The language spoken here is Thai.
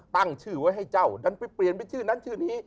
ตั้งชื่อไว้ให้เจ้าดันไปเปลี่ยนเป็นชื่อนั้นชื่อนี้